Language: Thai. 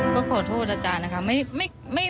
ก็ขอโทษอาจารย์นะคะ